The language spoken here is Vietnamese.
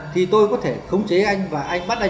thì tôi có thể khống chế anh và anh bắt anh